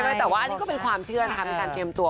ไม่แต่ว่าอันนี้ก็เป็นความเชื่อนะคะเป็นการเตรียมตัว